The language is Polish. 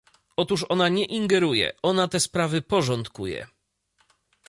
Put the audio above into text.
Otóż ona nie ingeruje, ona te sprawy porządkuje